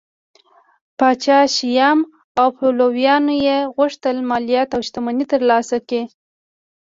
پاچا شیام او پلویانو یې غوښتل مالیات او شتمنۍ ترلاسه کړي